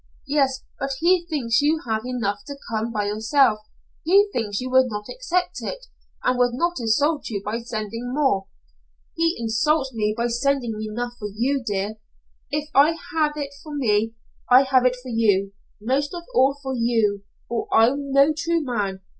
"'Yes, but he thinks you have enough to come by yourself. He thinks you would not accept it and would not insult you by sending more.' "'He insults me by sending enough for you, dear. If I have it for me, I have it for you most of all for you, or I'm no true man.